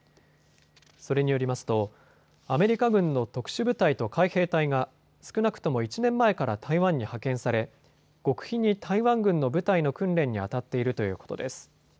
それによりますとアメリカ軍の特殊部隊と海兵隊が少なくとも１年前から台湾に派遣され極秘に台湾軍の部隊の訓練にあたっているということです。